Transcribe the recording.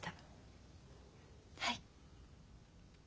はい。